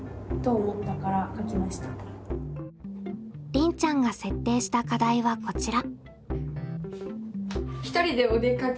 りんちゃんが設定した課題はこちら。